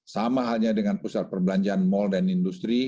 sama halnya dengan pusat perbelanjaan mal dan industri